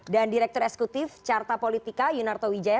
dan direktur eskutif carta politika yunarto wijaya